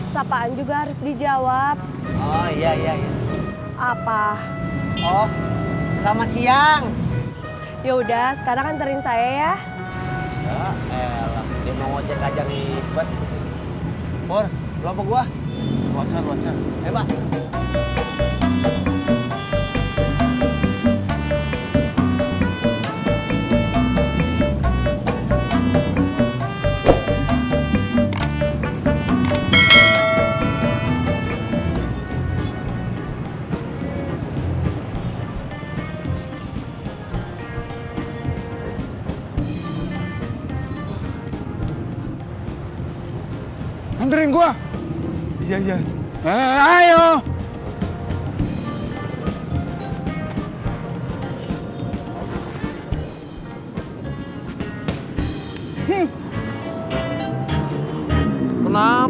sampai jumpa di video selanjutnya